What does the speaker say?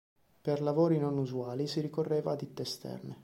Per lavori non usuali si ricorreva a ditte esterne.